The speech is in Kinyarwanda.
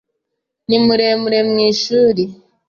ni muremure mu ishuri.